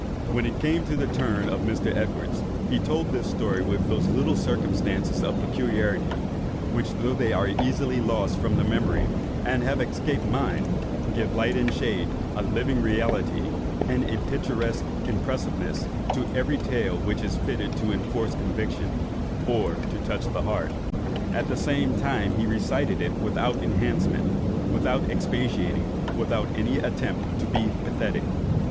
When it came to the turn of Mr. Edwards, he told this story with those little circumstances of particularity, which, though they are easily lost from the memory, and have escaped mine, give light and shade, a living reality, and a picturesque impressiveness, to every tale which is fitted to enforce conviction, or to touch the heart. At the same time he recited it without enhancement, without expatiating, without any attempt to be pathetic.